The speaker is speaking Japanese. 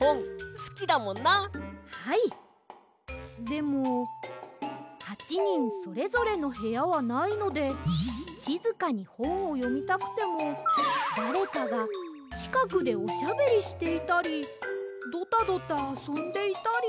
でも８にんそれぞれのへやはないのでしずかにほんをよみたくてもだれかがちかくでおしゃべりしていたりドタドタあそんでいたり。